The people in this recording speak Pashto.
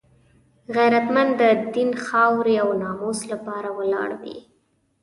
غیرتمند د دین، خاورې او ناموس لپاره ولاړ وي